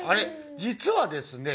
実はですね